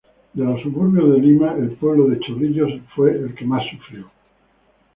De los suburbios de Lima, el pueblo de Chorrillos fue el que más sufrió.